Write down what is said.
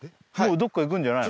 どっか行くんじゃないの？